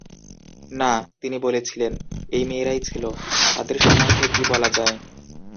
"না," তিনি বলেছিলেন, "এই মেয়েরাই ছিল।" "তাদের সম্বন্ধে কী বলা যায়?"